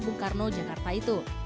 di negara negara yang berbeda